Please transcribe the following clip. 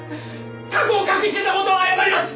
過去を隠していた事は謝ります！